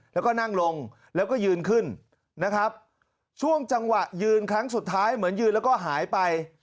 แล้วก็นั่งลงแล้วก็ยืนขึ้นนะครับช่วงจังหวะยืนครั้งสุดท้ายเหมือนยืนแล้วก็หายไป